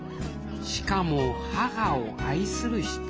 しかも母を愛する人。